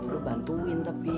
lu bantuin tapi